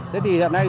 thế thì hôm nay